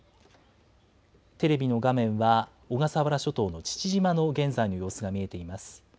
テレビの画面は小笠原諸島の父島の現在の様子が見えています。